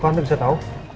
bagaimana bisa tahu